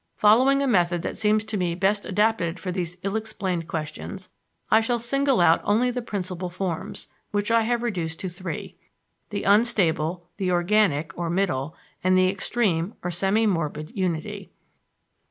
Following a method that seems to me best adapted for these ill explained questions I shall single out only the principal forms, which I have reduced to three the unstable, the organic or middle, and the extreme or semi morbid unity.